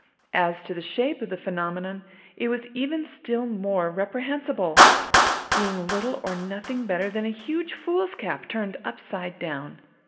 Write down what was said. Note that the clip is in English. As to the shape of the phenomenon, it was even still more reprehensible. Being little or nothing better than a huge foolscap turned upside down.